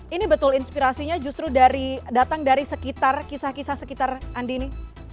ini betul inspirasinya justru datang dari sekitar kisah kisah sekitar andini